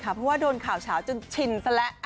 เพราะว่าโดนข่าวเฉาจนชินซะแล้ว